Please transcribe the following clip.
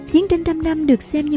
chiến tranh trăm năm được xem như